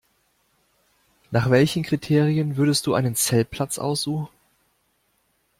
Nach welchen Kriterien würdest du einen Zeltplatz aussuchen?